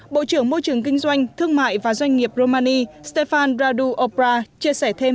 bộ trưởng môi trường kinh doanh thương mại và doanh nghiệp romani stefan radu opra chia sẻ thêm